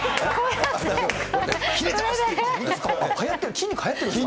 はやってる、筋肉はやってるんですか？